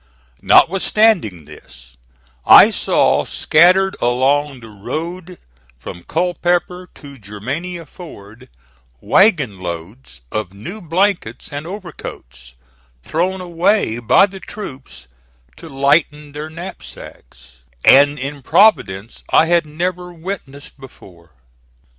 Notwithstanding this I saw scattered along the road from Culpeper to Germania Ford wagon loads of new blankets and overcoats, thrown away by the troops to lighten their knapsacks; an improvidence I had never witnessed before.